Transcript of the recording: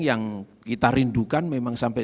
yang kita rindukan memang sampai